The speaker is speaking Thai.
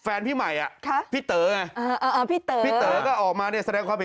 แฟนพี่ใหม่น่ะพี่เต๋อไอน่ะพี่เต๋อก็ออกมานี่แสดงความผิด